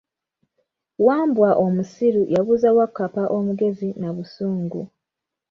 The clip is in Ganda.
Wambwa omusiru yabuuza Wakkappa omugezi na busungu.